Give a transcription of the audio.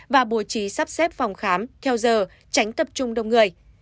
và bố trí sắp xếp phòng khám theo giờ tránh tập trung đông người